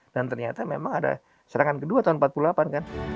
dan ternyata memang ada serangan kedua tahun seribu sembilan ratus empat puluh delapan kan